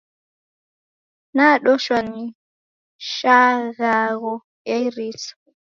Nadoshwa ni shangagho ya iriso.